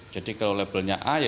jadi kalau labelnya a ya